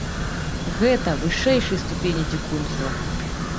Гэта вышэйшай ступені дзікунства.